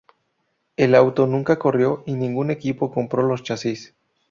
El auto nunca corrió y ningún equipo compró los chasis.